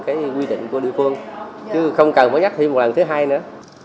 cái quy định của địa phương chứ không cần phải nhắc thêm một lần thứ hai nữa